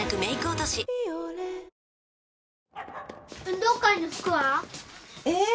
運動会の服は？えっ？